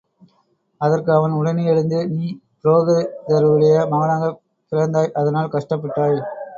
அதற்கு அவன் உடனே எழுந்து, நீ புரோகிதருடைய மகனாகப் பிறந்தாய் அதனால் கஷ்டப்பட்டாய்!